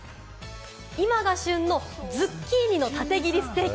今が旬のズッキーニの縦切りステーキ。